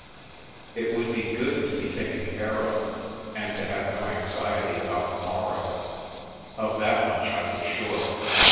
It would be good to be taken care of and to have no anxiety about the morrow, of that much I was sure.